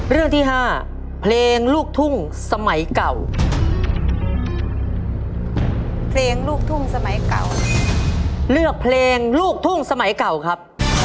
เลือกเพลงลูกทุ่งสมัยเก่าครับ